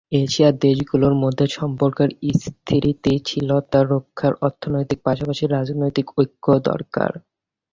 এশিয়ার দেশগুলোর মধ্যে সম্পর্কের স্থিতিশীলতা রক্ষায় অর্থনীতির পাশাপাশি রাজনৈতিক ঐক্যও দরকার।